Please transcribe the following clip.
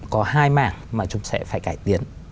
có hai mảng mà chúng sẽ phải cải tiến